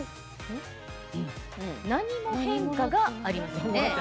何も変化がありませんね。